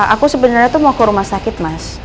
aku sebenarnya tuh mau ke rumah sakit mas